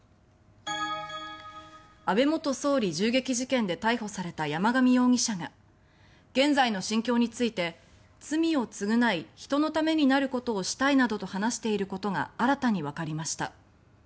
安倍元総理銃撃事件で逮捕された山上容疑者が現在の心境について罪を償い、人のためになることをしたいなどと話していることが新たにわかりました。